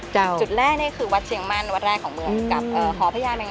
จุดแรกเนี่ยคือวัดเชียงมั่นวัดแรกของเมือง